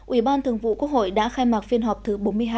ủy ban thường vụ quốc hội đã khai mạc phiên họp thứ bốn mươi hai